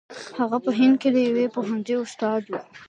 هغه په هند کې د یوه پوهنځي استاد وو.